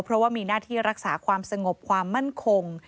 เพราะว่ามีหน้าที่รักษาความสงบความมั่นคง